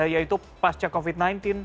yaitu pasca covid sembilan belas